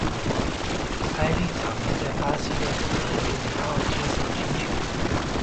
埃利早年在巴西的格雷米奥接受青训。